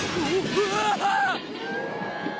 うわ！